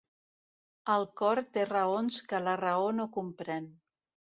El cor té raons que la raó no comprèn.